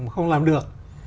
không làm được